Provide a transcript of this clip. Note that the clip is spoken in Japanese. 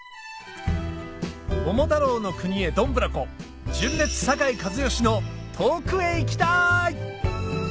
桃太郎の国へどんぶらこ純烈・酒井一圭の遠くへ行きたい！